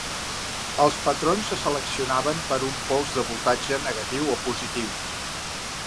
Els patrons se seleccionaven per a un pols de voltatge negatiu o positiu.